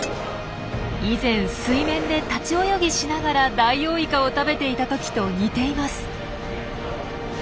以前水面で立ち泳ぎしながらダイオウイカを食べていた時と似ています。